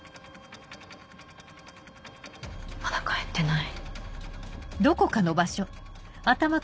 まだ帰ってない。